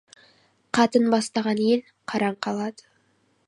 Қатын бастаған ел қараң қалады.